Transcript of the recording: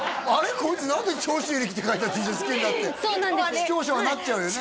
こいつ何で「長州力」って書いたＴシャツ着てんだって視聴者はなっちゃうよね